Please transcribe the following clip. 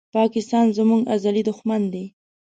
پاکستان زموږ ازلي دښمن دی